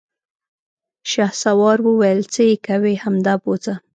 شهسوار وويل: څه يې کوې، همدا بوځه!